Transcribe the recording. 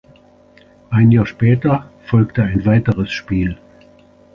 Ein Jahr später folgte ein weiteres Spiel.